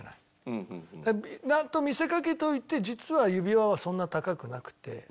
と見せかけておいて実は指輪はそんな高くなくて。